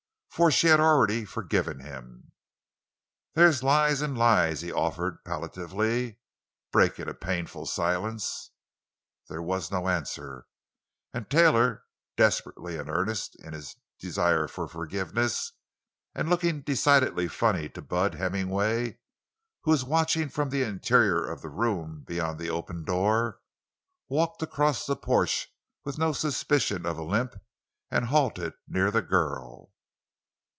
For she had already forgiven him. "There's lies—and lies," he offered palliatively, breaking a painful silence. There was no answer, and Taylor, desperately in earnest in his desire for forgiveness, and looking decidedly funny to Bud Hemmingway, who was watching from the interior of the room beyond the open door, walked across the porch with no suspicion of a limp, and halted near the girl.